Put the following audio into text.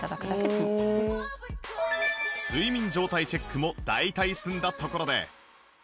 睡眠状態チェックも大体済んだところで